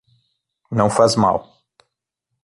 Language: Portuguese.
Não faz mal.